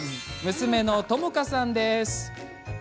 娘の知花さんです。